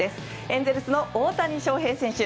エンゼルスの大谷翔平選手